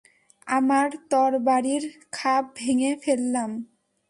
আমার তরবারীর খাপ ভেঙ্গে ফেললাম।